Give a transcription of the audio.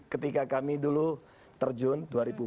ketika kami dulu terjun